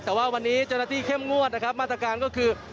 แต่ว่าวันนี้เจ้าหน้าที่เข้มงวดนะครับมาตรการก็คือ